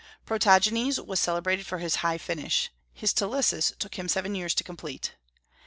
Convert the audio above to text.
Protogenes was celebrated for his high finish. His Talissus took him seven years to complete.